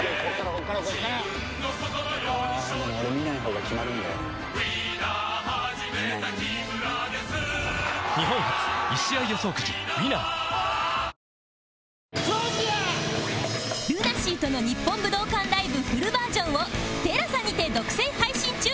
ＬＵＮＡＳＥＡ との日本武道館ライブフルバージョンを ＴＥＬＡＳＡ にて独占配信中